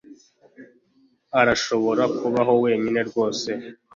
Urashobora kubamo wenyine rwose